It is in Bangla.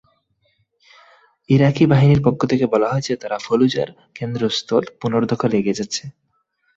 ইরাকি বাহিনীর পক্ষ থেকে বলা হয়েছে তাঁরা ফালুজার কেন্দ্রস্থল পুনর্দখলে এগিয়ে যাচ্ছে।